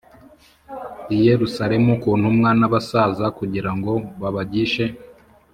i Yerusalemu ku ntumwa n abasaza m kugira ngo babagishe